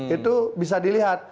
itu bisa dilihat